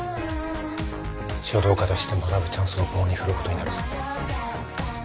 書道家として学ぶチャンスを棒に振ることになるぞ。